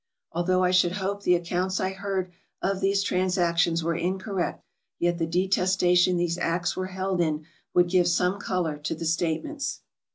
Although I should hope the accounts I heard of these trans actions were incorrect, yet the detestation these acts were held in would give some color to the statements.